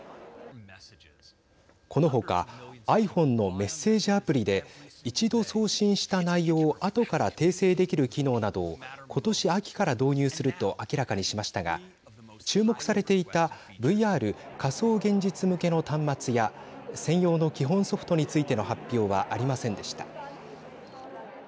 このほか、ｉＰｈｏｎｅのメッセージアプリで一度、送信した内容を後から訂正できる機能などをことし秋から導入すると明らかにしましたが注目されていたＶＲ＝仮想現実向けの端末や専用の基本ソフトについての発表はありませんでした。